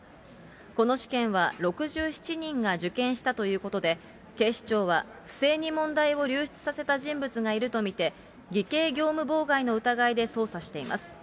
この試験は６７人が受験したということで、警視庁は、不正に問題を流出させた人物がいると見て、偽計業務妨害の疑いで捜査しています。